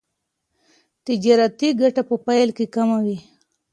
تجارتي ګټه په پیل کې کمه وي.